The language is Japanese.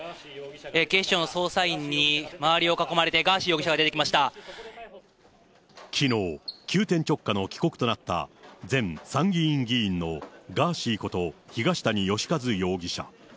警視庁の捜査員に周りを囲まれて、きのう、急転直下の帰国となった、前参議院議員のガーシーこと東谷義和容疑者。